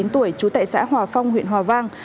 một mươi chín tuổi chú tại xã hòa phong huyện hòa vang